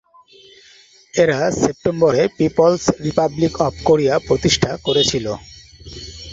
এরা সেপ্টেম্বরে People's Republic of Korea প্রতিষ্ঠা করেছিল।